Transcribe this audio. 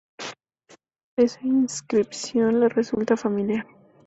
Esa inscripción le resulta familiar.